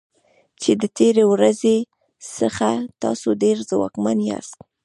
چې د تیرې ورځې څخه تاسو ډیر ځواکمن یاست.